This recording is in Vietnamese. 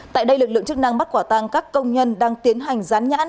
tại đây lực lượng chức năng bắt quả tăng các công nhân đang tiến hành rán nhãn